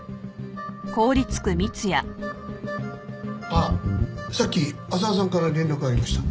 あっさっき浅輪さんから連絡がありました。